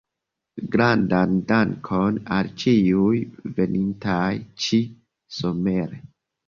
Grandan dankon al ĉiuj venintaj ĉi-somere.